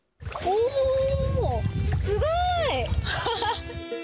おー、すごい。